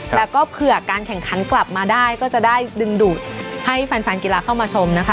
แล้วก็เผื่อการแข่งขันกลับมาได้ก็จะได้ดึงดูดให้แฟนกีฬาเข้ามาชมนะคะ